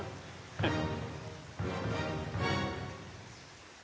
フッ。